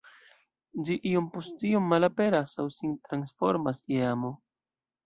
Ĝi iom post iom malaperas aŭ sin transformas je amo.